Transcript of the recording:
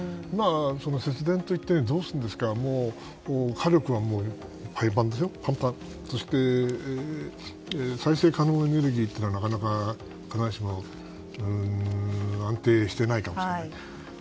その節電といってどうするんですか火力はもうパンパンそして、再生可能エネルギーは必ずしも安定していないかもしれない。